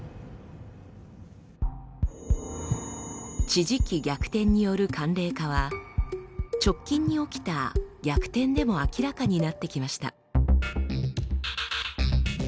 地磁気逆転による寒冷化は直近に起きた逆転でも明らかになってきました。